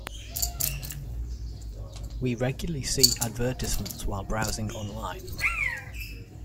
We regularly see advertisements while browsing online.